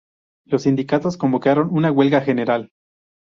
Los sindicatos convocaron una huelga general.